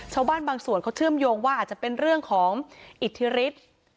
ชาวบ้านบางส่วนเขาเชื่อมโยงว่าอาจจะเป็นเรื่องของอิทธิฤทธิ์